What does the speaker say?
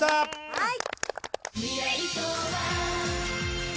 はい。